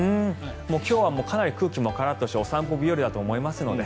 今日はかなり空気もカラッとしてお散歩日和だと思いますので。